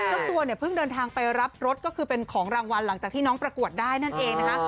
เจ้าตัวเนี่ยเพิ่งเดินทางไปรับรถก็คือเป็นของรางวัลหลังจากที่น้องประกวดได้นั่นเองนะคะ